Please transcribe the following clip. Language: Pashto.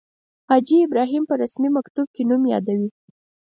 حاجي ابراهیم په رسمي مکتوب کې نوم یادوي.